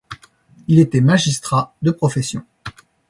Il était magistrat de profession.